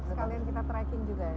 sekalian kita tracking juga ya